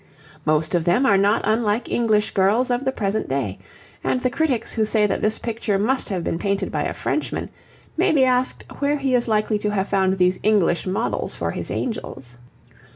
Most of them are not unlike English girls of the present day, and the critics who say that this picture must have been painted by a Frenchman may be asked where he is likely to have found these English models for his angels.